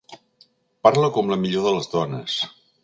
Parla com la millor de les dones!